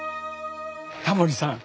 タモリさん。